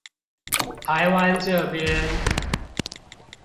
台灣這邊